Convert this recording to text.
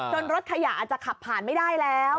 รถขยะอาจจะขับผ่านไม่ได้แล้ว